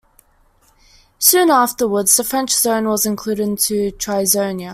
Soon afterwards, the French zone was included into Trizonia.